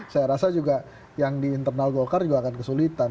saya rasa juga yang di internal golkar juga akan kesulitan